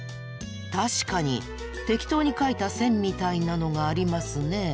確かに適当に描いた線みたいなのがありますね。